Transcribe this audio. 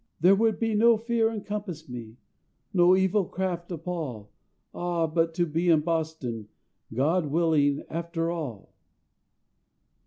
There would no fear encompass me, No evil craft appall; Ah, but to be in Boston, GOD WILLING, after all!"